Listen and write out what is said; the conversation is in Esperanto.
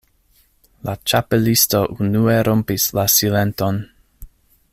La Ĉapelisto unue rompis la silenton.